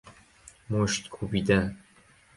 مشت کوبیدن